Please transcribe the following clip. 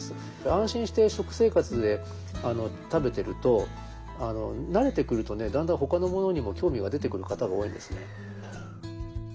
安心して食生活で食べてると慣れてくるとだんだんほかのものにも興味が出てくる方が多いんですね。